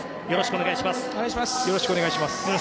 よろしくお願いします。